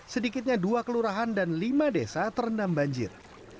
sedikitnya dua kelurahan dan lima desa terendam banjir